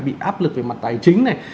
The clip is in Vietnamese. bị áp lực về mặt tài chính này